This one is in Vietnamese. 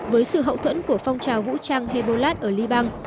với sự hậu thuẫn của phong trào vũ trang hebolat ở liban